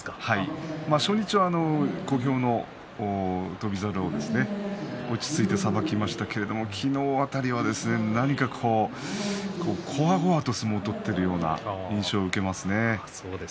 初日は小兵の翔猿を落ち着いてさばきましたけれども昨日辺りは何かこわごわと相撲を取っているような印象を受けますね。